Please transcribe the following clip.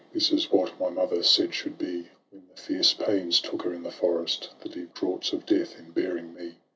This is what my mother said should be, When the fierce pains took her in the forest, The deep draughts of death, in bearing me.